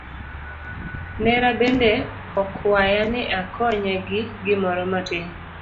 Nera bende okwaya ni akonye gi gimoro matin.